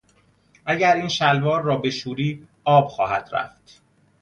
اگر این شلوار را بشوری آب خواهد رفت.